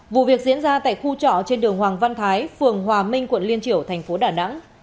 vụ việc diễn ra tại khu trọ trên đường hoàng văn thái phường hòa minh quận liên triểu thành phố đà nẵng